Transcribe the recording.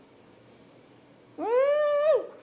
うん！